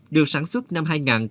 được sản xuất năm hai nghìn tám